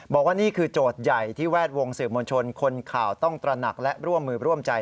บอกว่านี่คือโจทย์ใหญ่ที่แวดวงสื่อมวลชนคนข่าวต้องตระหนักและร่วมมือร่วมใจ